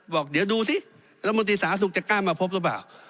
บอกเดี๋ยวดูสิรัฐมนตรีสาธารณสุขจะกล้ามาพบหรือเปล่า